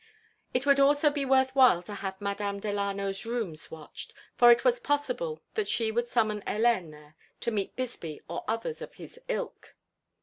It would also be worth while to have Madame Delano's rooms watched, for it was possible that she would summon Hélène there to meet Bisbee or others of his ilk.